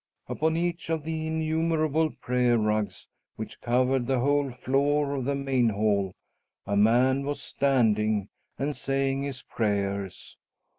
Upon each of the innumerable prayer rugs which covered the whole floor of the main hall, a man was standing and saying his prayers.